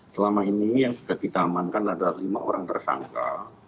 selama ini yang sudah ditamankan adalah lima orang tersangka